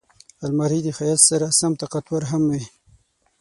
الماري د ښایست سره سم طاقتور هم وي